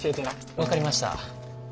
分かりました。